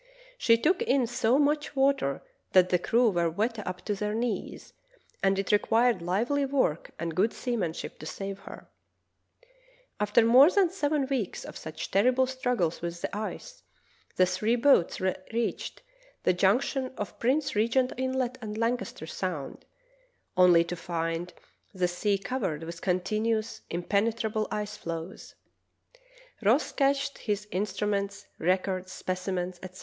She took in so much water that the crew were wet up to their knees, and it required lively work and good seamanship to save her. ihe Retreat of Ross from the Victory 47 After more than seven weeks of such terrible strug gles with the ice, the three boats reached the junction of Prince Regent Inlet and Lancaster Sound, only to find the sea covered with continuous, impenetrable ice floes. Ross cached his instruments, records, specimens, etc.